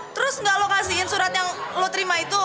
terus nggak lo kasihin surat yang lo terima itu